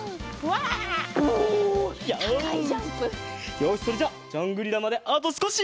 よしそれじゃあジャングリラまであとすこし！